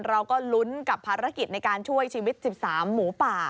เราก็ลุ้นกับภารกิจในการช่วยชีวิต๑๓หมูป่า